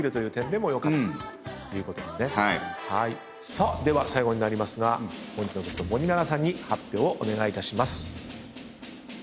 さあでは最後になりますが本日のゲスト森七菜さんに発表をお願いいたします。